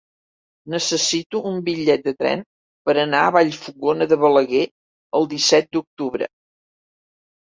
Necessito un bitllet de tren per anar a Vallfogona de Balaguer el disset d'octubre.